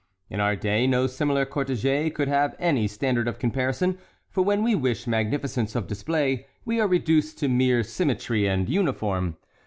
In our day no similar cortège could have any standard of comparison, for when we wish magnificence of display we are reduced to mere symmetry and uniform.